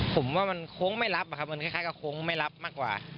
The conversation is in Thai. ผมว่ามันโค้งไม่รับอะครับมันคล้ายกับโค้งไม่รับมากกว่า